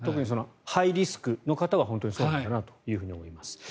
ハイリスクの方は本当にそうだろうなと思います。